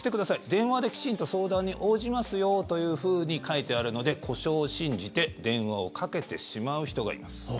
電話できちんと相談に応じますよというふうに書いてあるので故障を信じて電話をかけてしまう人がいます。